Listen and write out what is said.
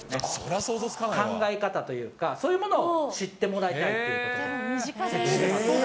考え方というか、そういうものを知ってもらいたいっていうこと。